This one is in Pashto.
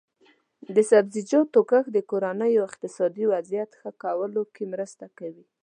د سبزیجاتو کښت د کورنیو اقتصادي وضعیت ښه کولو کې مرسته کوي.